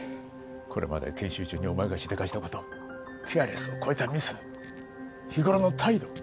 これまで研修中にお前がしでかした事ケアレスを超えたミス日頃の態度